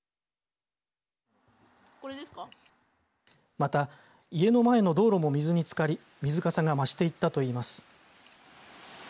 また、家の前の道路も水につかり水かさが増していったといいます。